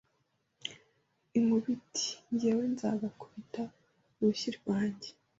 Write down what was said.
inkuba iti Jyewe nzagakubita urushyi rwanjye